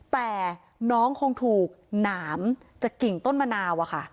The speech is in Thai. แต่น้องคงถูกหนามจากกิ่งต้นมะนาวอะค่ะ